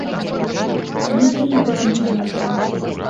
Таму мы ў гэтым вінаватыя.